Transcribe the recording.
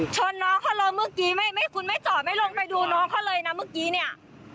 น้องเขาเลยเมื่อกี้ไม่คุณไม่จอดไม่ลงไปดูน้องเขาเลยนะเมื่อกี้เนี่ย